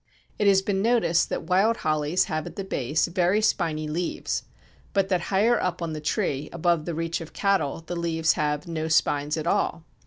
It has been noticed that wild hollies have at the base very spiny leaves, but that higher up on the tree (above the reach of cattle) the leaves have no spines at all.